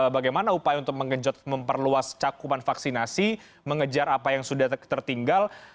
bagaimana upaya untuk mengejut memperluas cakupan vaksinasi mengejar apa yang sudah tertinggal